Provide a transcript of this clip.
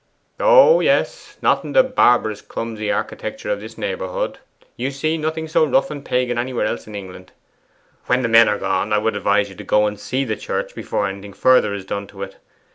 'Oh yes. Not in the barbarous clumsy architecture of this neighbourhood; you see nothing so rough and pagan anywhere else in England. When the men are gone, I would advise you to go and see the church before anything further is done to it.